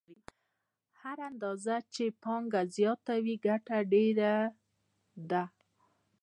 هره اندازه چې پانګه زیاته وي ګټه ډېره ده